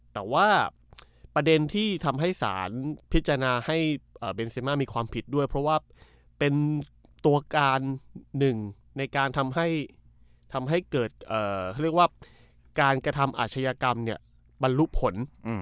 แต่ว่าประเด็นที่ทำให้สารพิจารณาให้เบนเซมามีความผิดด้วยเพราะว่าเป็นตัวการหนึ่งในการทำให้เกิดเขาเรียกว่าการกระทำอาชญากรรมบรรลุผล